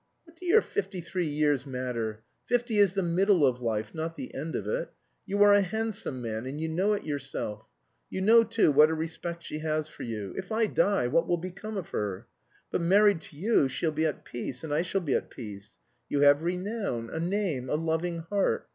"What do your fifty three years matter! Fifty is the middle of life, not the end of it. You are a handsome man and you know it yourself. You know, too, what a respect she has for you. If I die, what will become of her? But married to you she'll be at peace, and I shall be at peace. You have renown, a name, a loving heart.